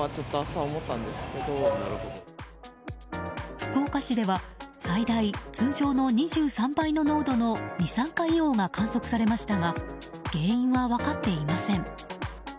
福岡市では最大通常の２３倍の濃度の二酸化硫黄が観測されましたが原因は分かっていません。